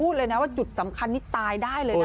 เลยนะว่าจุดสำคัญนี่ตายได้เลยนะ